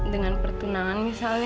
dengan pertunangan misalnya